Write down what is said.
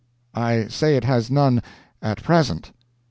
I say it has none at present."